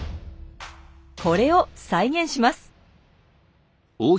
これを再現します。